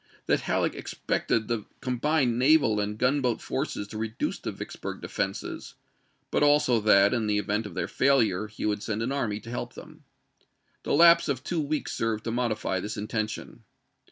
that Halleck expected the combined naval and gun boat forces to reduce the Vicksburg defenses, but also that, in the event of their failure, he would send an army to help them. The lapse of two weeks served to modify this intention.